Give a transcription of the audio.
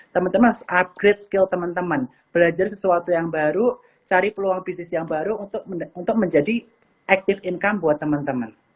teman teman harus upgrade skill teman teman belajar sesuatu yang baru cari peluang bisnis yang baru untuk menjadi active income buat teman teman